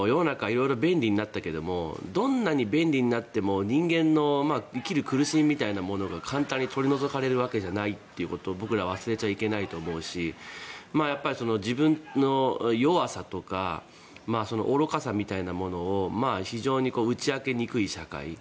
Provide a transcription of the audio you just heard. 色々、便利になったけどどんなに便利になっても、人間の生きる苦しみみたいなものが簡単に取り除かれるわけじゃないということを僕らは忘れちゃいけないと思うし自分の弱さとか愚かさみたいなものを非常に打ち明けにくい社会。